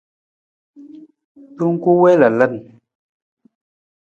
Tong ku wii wii lalan.